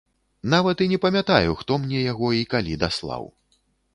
Нават і не памятаю, хто мне яго і калі даслаў.